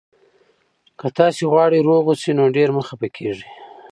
که تاسي غواړئ روغ اوسئ، نو ډېر مه خفه کېږئ.